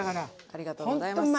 ありがとうございます。